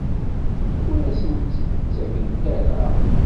Ur asen-tt-id-ttakent ara?